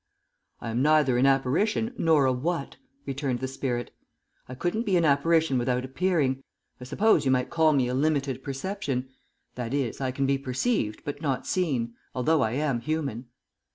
"I am neither an apparition nor a what," returned the spirit. "I couldn't be an apparition without appearing. I suppose you might call me a limited perception; that is, I can be perceived but not seen, although I am human."